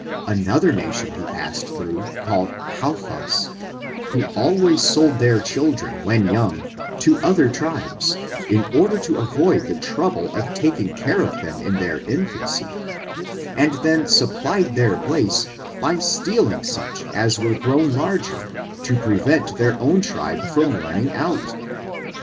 Another nation he passed through, called Haouffas^ who always sold their children, when young, to other tribes, in order to avoid the trouble of taking care of them in their infancy, and then supplied their place by stealing such as were grown larger, to prevent their own tribe from running out.